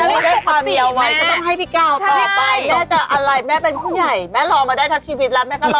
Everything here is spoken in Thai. วันนี้ได้ความดีเอาไว้ก็ต้องให้พี่ก้าวต่อไปแม่จะอะไรแม่เป็นผู้ใหญ่แม่รอมาได้ทั้งชีวิตแล้วแม่ก็รอ